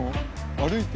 歩いて。